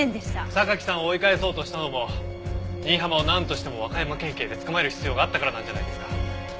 榊さんを追い返そうとしたのも新浜をなんとしても和歌山県警で捕まえる必要があったからなんじゃないですか？